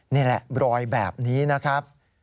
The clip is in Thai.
นี่แหละรอยแบบนี้นะครับ